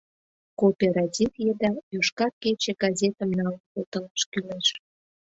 Кооператив еда «Йошкар кече» газетым налын колтылаш кӱлеш.